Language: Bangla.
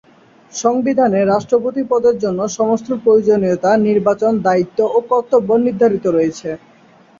সংবিধানে রাষ্ট্রপতির পদের জন্য সমস্ত প্রয়োজনীয়তা, নির্বাচন, দায়িত্ব ও কর্তব্য নির্ধারিত রয়েছে।